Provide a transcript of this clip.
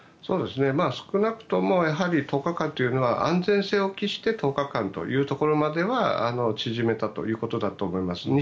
少なくとも１０日間というのは安全性を期して１０日間というところまで縮めたということだと思います。